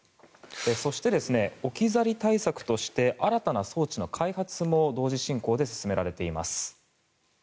そして、置き去り対策として新たな装置の開発も同時進行で進められています。